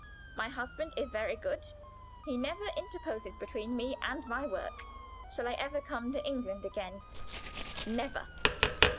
My husband is very good: he never interposes between me and my work. Shall I ever come to England again? never."